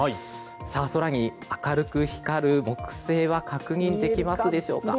空に明るく光る木星は確認できますでしょうか。